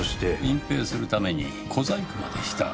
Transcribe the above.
隠蔽するために小細工までした。